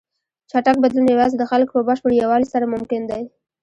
چټک بدلون یوازې د خلکو په بشپړ یووالي سره ممکن دی.